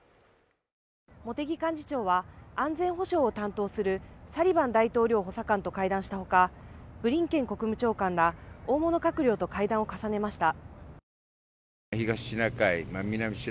茂木幹事長は安全保障を担当するサリバン大統領補佐官と会談したほか、ブリンケン国務長官ら大物閣僚と会談を重ねました。